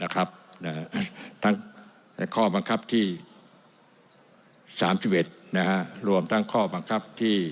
ข้อบังคับที่๓๑รวมทั้งข้อบังคับที่